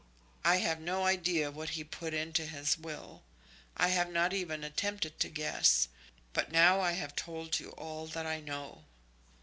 I have no idea what he put into his will. I have not even attempted to guess. But now I have told you all that I know."